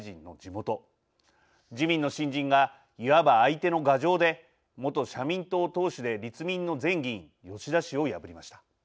自民の新人がいわば相手の牙城で元社民党党首で立民の前議員吉田氏を破りました。